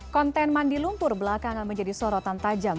konten mandi lumpur belakangan menjadi sorotan tajam